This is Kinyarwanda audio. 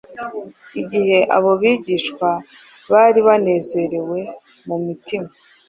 Igihe abo bigishwa bari banezerewe mu mitima